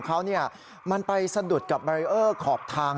จักรยานยนต์ของเขามันไปสะดุดกับเบอร์เรียร์ขอบทาง